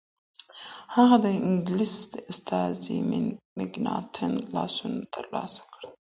هغه د انگلیس د استازي مکناتن لاسوند ترلاسه کړ.